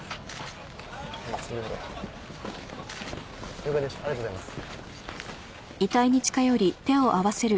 了解ですありがとうございます。